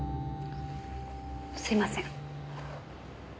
すいません。